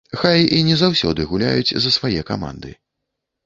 Хай і не заўсёды гуляюць за свае каманды.